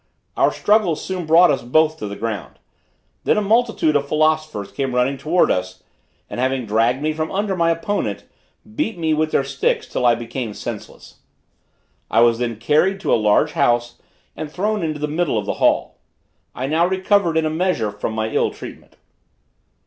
Our struggles soon brought us both to the ground. Then a multitude of philosophers came running towards us, and having dragged me from under my opponent, beat me with their sticks till I became senseless. I was then carried to a large house and thrown into the middle of the hall. I now recovered in a measure from my ill treatment.